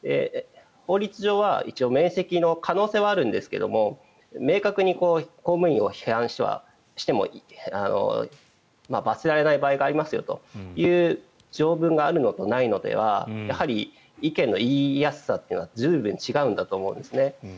法律上は一応免責の可能性はあるんですが明確に公務員を批判しても罰せられない場合がありますよという条文があるのとないのとではやはり意見の言いやすさが随分違うと思うんですね。